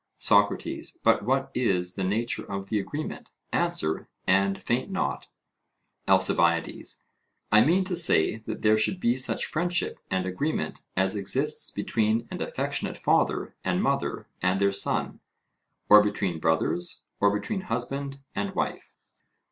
SOCRATES: But what is the nature of the agreement? answer, and faint not. ALCIBIADES: I mean to say that there should be such friendship and agreement as exists between an affectionate father and mother and their son, or between brothers, or between husband and wife.